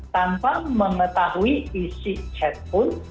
tanpa mengetahui isi chat pun